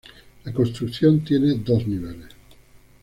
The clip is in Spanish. La construcción tiene dos niveles.